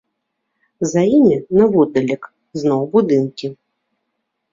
За імі, наводдалек, зноў будынкі.